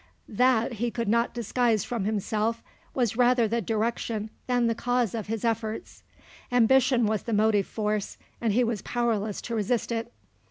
That, he could not disguise from himself, was rather the direction than the cause of his efforts. Ambition was the motive force, and he was powerless to resist it.